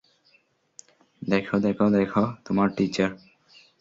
দেখো দেখো দেখো, তোমার টিচার।